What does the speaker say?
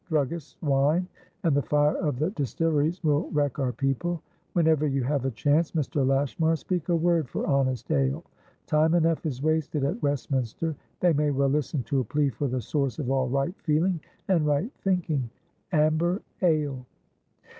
Druggist's wine and the fire of the distilleries will wreck our people. Whenever you have a chance, Mr. Lashmar, speak a word for honest ale. Time enough is wasted at Westminster; they may well listen to a plea for the source of all right feeling and right thinkingamber ale."